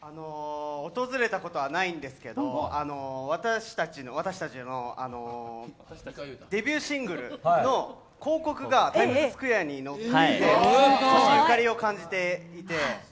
訪れたことはないんですけど私たちのデビューシングルの広告がタイムズスクエアに載っててゆかりを感じていて。